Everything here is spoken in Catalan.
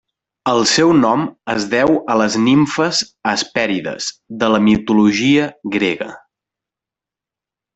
El seu nom es deu a les nimfes Hespèrides de la mitologia grega.